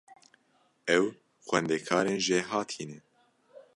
Ew xwendekarên jêhatî ne.